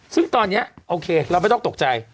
ซึ่งตอนนี้โอเคเราไม่ต้องตกใจ